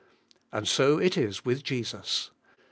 And so it is with Jesus.